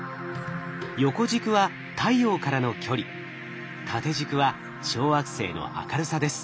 横軸は太陽からの距離縦軸は小惑星の明るさです。